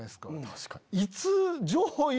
確かにね！